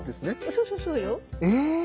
そうそうそうよ。え？